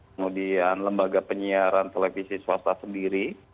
kemudian lembaga penyiaran televisi swasta sendiri